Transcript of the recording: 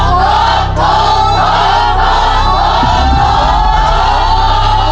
โภคโภคโภค